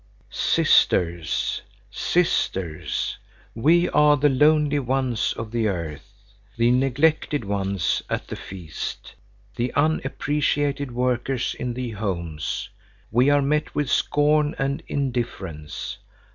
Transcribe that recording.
"Sisters, sisters! We are the lonely ones of the earth, the neglected ones at the feast, the unappreciated workers in the homes. We are met with scorn and indifference.